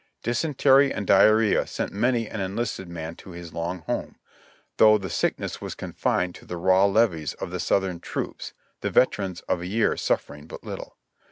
Dysentery and diarrhea sent many an enlisted man to his long home, 'though the sickness was confined to the raw levies of the Southern troops, the veterans of a year suffering but little.